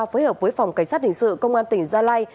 phối hợp với phòng cảnh sát hình sự công an tỉnh gia lai